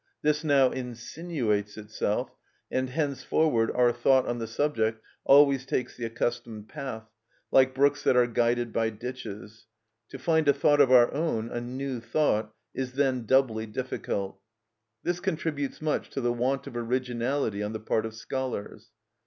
This now insinuates itself, and henceforward our thought on the subject always takes the accustomed path, like brooks that are guided by ditches; to find a thought of our own, a new thought, is then doubly difficult. This contributes much to the want of originality on the part of scholars.